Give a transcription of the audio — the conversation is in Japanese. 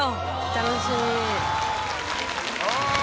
楽しみ。